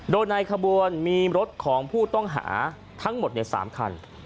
โดยในขบวนมีรถของผู้ต้องหาทั้งหมด๓คัน